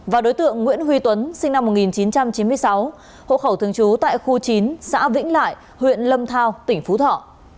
và đối tượng nguyễn huy tuấn sinh năm một nghìn chín trăm chín mươi sáu hộ khẩu thường trú tại khu chín xã vĩnh lại huyện lâm thao tỉnh phú thọ